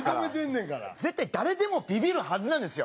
絶対誰でもビビるはずなんですよ